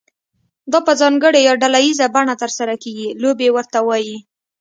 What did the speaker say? دا په ځانګړې یا ډله ییزه بڼه ترسره کیږي لوبې ورته وایي.